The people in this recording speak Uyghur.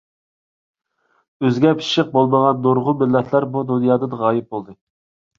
ئۆزىگە پىششىق بولمىغان نۇرغۇن مىللەتلەر بۇ دۇنيادىن غايىب بولدى.